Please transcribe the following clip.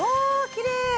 きれい！